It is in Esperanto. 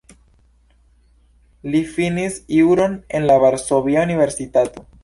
Li finis juron en la Varsovia Universitato.